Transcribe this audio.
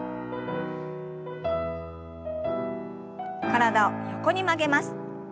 体を横に曲げます。